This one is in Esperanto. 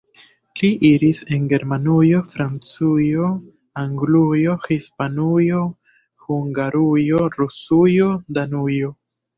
Li iris en Germanujo, Francujo, Anglujo, Hispanujo, Hungarujo, Rusujo, Danujo.